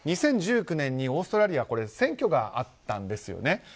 ２０１９年にオーストラリア選挙があったんですよね。